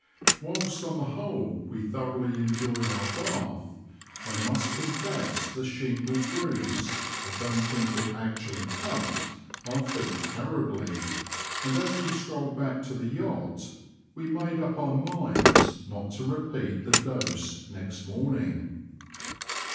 Whilst on the whole We thoroughly enjoyed our bath, I must confess the shingle bruised (I don't think it actually cut) our feet terribly, and as we strolled back to the yacht we made up our minds not to repeat the dose next morning.